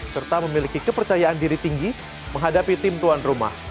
serta memiliki kepercayaan diri tinggi menghadapi tim tuan rumah